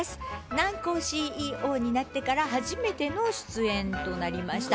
南光ＣＥＯになってから初めての出演となりました。